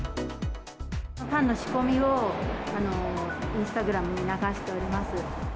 パンの仕込みをインスタグラムに流しております。